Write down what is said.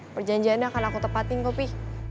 perjanjiannya akan aku tepatin kok pi